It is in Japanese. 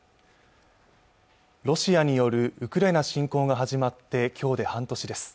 ロシアによるウクライナ侵攻が始まってきょうで半年です